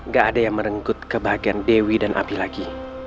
gak ada yang merenggut kebahagiaan dewi dan api lagi